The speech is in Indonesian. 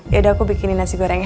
yaudah aku bikinin nasi goreng ya